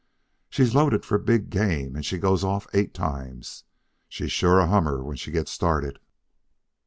She's loaded for big game and she goes off eight times. She's a sure hummer when she gets started.